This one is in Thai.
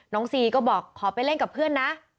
ซีก็บอกขอไปเล่นกับเพื่อนนะ